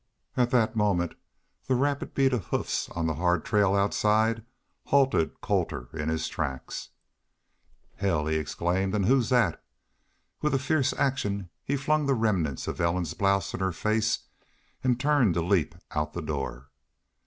At that moment the rapid beat of hoofs on the hard trail outside halted Colter in his tracks. "Hell!" he exclaimed. "An' who's that?" With a fierce action he flung the remnants of Ellen's blouse in her face and turned to leap out the door.